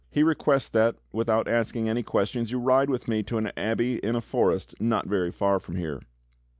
He requests that, without asking any questions, you ride wdth me to an abbey in a forest not very far from here."